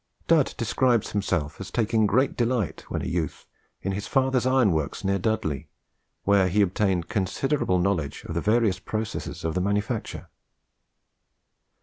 Dud describes himself as taking great delight, when a youth, in his father's iron works near Dudley, where he obtained considerable knowledge of the various processes of the manufacture.